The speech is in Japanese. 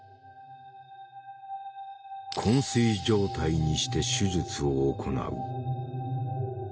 こん睡状態にして手術を行う。